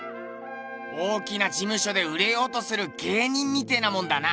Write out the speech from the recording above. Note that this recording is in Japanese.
大きな事務所で売れようとする芸人みてえなもんだな。